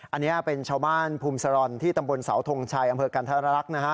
อันนี้เป็นชาวบ้านภูมิสรที่ตำบลเสาทงชัยอำเภอกันธรรรักษ์นะฮะ